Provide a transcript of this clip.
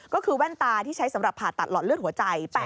ก็คือแว่นตาที่ใช้สำหรับผ่าตัดหลอดเลือดหัวใจ